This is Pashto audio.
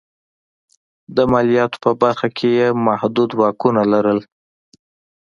د مالیاتو په برخه کې یې محدود واکونه لرل.